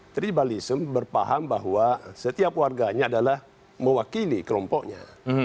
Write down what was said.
tribalism berpaham bahwa setiap warganya adalah mewakili kelompoknya